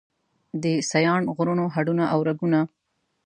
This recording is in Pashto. د سیاڼ غرونو هډونه او رګونه